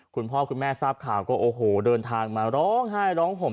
คุณพ่อคุณแม่ทราบข่าวก็โอ้โหเดินทางมาร้องไห้ร้องห่ม